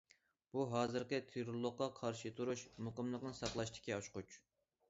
بۇ، ھازىرقى تېررورلۇققا قارشى تۇرۇش، مۇقىملىقنى ساقلاشتىكى ئاچقۇچ.